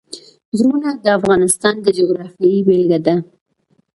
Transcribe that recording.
غرونه د افغانستان د جغرافیې بېلګه ده.